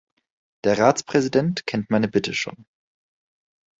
Der Ratspräsident kennt meine Bitte schon.